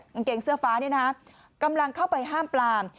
กางเกงเสื้อฟ้านี่นะกำลังเข้าไปห้ามปลาม